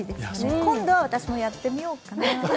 今度は私もやってみようかな。